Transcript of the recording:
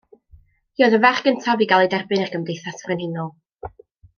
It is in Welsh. Hi oedd y ferch gyntaf i gael ei derbyn i'r Gymdeithas Frenhinol.